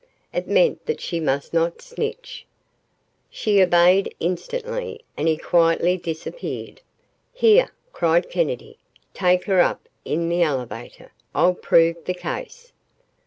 It meant that she must not snitch. She obeyed instantly, and he quietly disappeared. "Here," cried Kennedy, "take her up in the elevator. I'll prove the case."